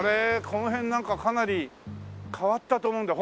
この辺なんかかなり変わったと思うんだ。